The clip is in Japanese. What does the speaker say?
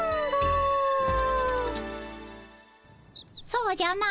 「そうじゃな。